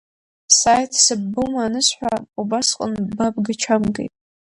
Сааит, сыббома анысҳәа, убасҟан ба бгачамкит.